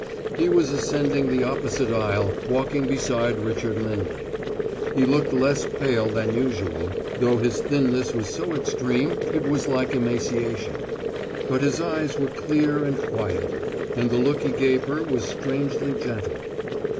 He was ascending the opposite aisle, walking beside Richard Lindley. He looked less pale than usual, though his thinness was so extreme it was like emaciation; but his eyes were clear and quiet, and the look he gave her was strangely gentle.